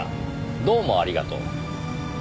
どうもありがとう。